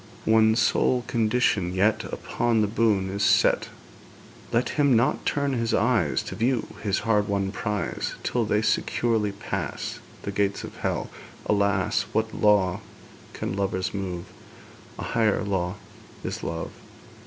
One sole condition yet Upon the boon is set: Let him not turn his eyes To view his hard won prize, Till they securely pass The gates of Hell.' Alas! What law can lovers move? A higher law is love!